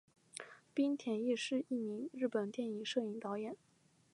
滨田毅是一名日本电影摄影导演。